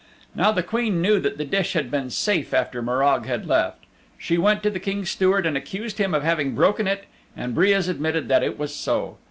Now the Queen knew that the dish had been safe after Morag had left. She went to the King's Steward and accused him of having broken it and Breas admitted that it was so.